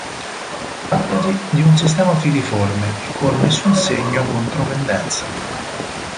Trattasi di un sistema filiforme e con nessun segno contro pendenza.